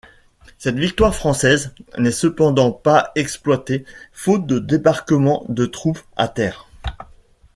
Cette victoire française n'est cependant pas exploitée faute de débarquement de troupes à terre.